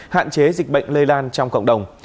hạn chế dịch bệnh lây lan trong cộng đồng